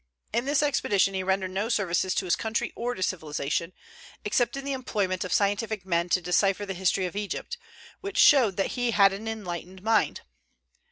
In this expedition he rendered no services to his country or to civilization, except in the employment of scientific men to decipher the history of Egypt, which showed that he had an enlightened mind.